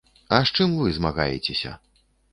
А з чым вы змагаецеся?